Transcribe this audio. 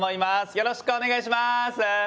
よろしくお願いします。